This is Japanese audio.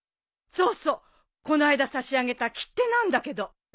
そうそうこの間差し上げた切手なんだけど。